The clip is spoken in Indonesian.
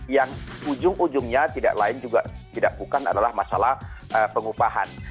yang ujung ujungnya tidak lain juga tidak bukan adalah masalah pengupahan